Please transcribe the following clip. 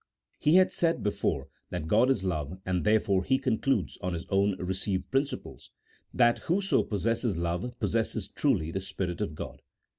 He had said before that God is love, and therefore he concludes (on his own received principles), that whoso possesses love possesses truly the Spirit of God.